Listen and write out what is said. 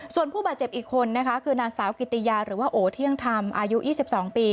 ส่วนผู้บาดเจ็บอีกคนนะคะคือนางสาวกิติยาหรือว่าโอเที่ยงธรรมอายุ๒๒ปี